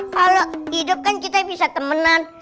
kalau hidup kan kita bisa temenan